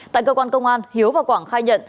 tại cơ quan công an hiếu và quảng khai nhận